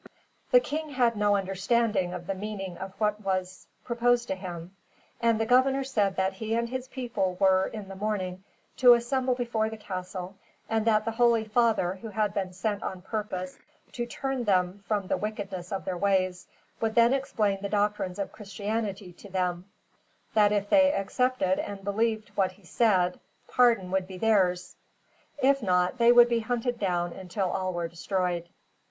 The king had no understanding of the meaning of what was proposed to him, and the governor said that he and his people were, in the morning, to assemble before the castle, and that the holy father, who had been sent on purpose to turn them from the wickedness of their ways, would then explain the doctrines of Christianity to them; that if they accepted and believed what he said, pardon would be theirs; if not, they would be hunted down until all were destroyed.